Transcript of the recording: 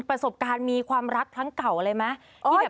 ประสบการณ์มีความรักครั้งเก่าอะไรไหม